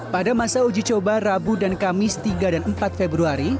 pada masa uji coba rabu dan kamis tiga dan empat februari